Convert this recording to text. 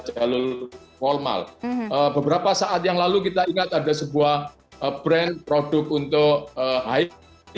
jalur formal beberapa saat yang lalu kita ingat ada sebuah brand produk untuk high